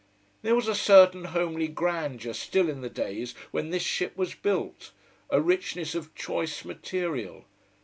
There was a certain homely grandeur still in the days when this ship was built: a richness of choice material.